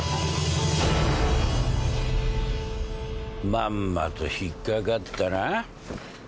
まんまと引っ掛かったな。